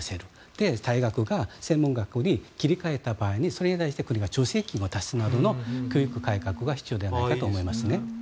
で、大学が専門学校に切り替えた場合にそれに対して国が助成金を出すなどの教育改革が必要ではないかと思いますね。